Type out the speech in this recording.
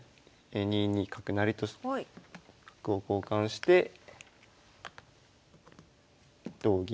２二角成と角を交換して同銀に。